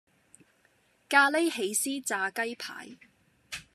咖哩起司炸雞排